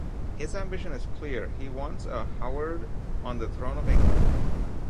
His ambition is clear: he wants a Howard on the throne of England.